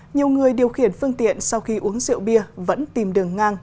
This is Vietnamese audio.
nhiều người điều khiển phương tiện sau khi uống rượu bia vẫn tìm đường ngang